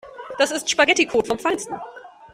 Das ist Spaghetticode vom Feinsten.